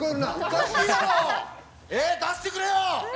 出してくれよ！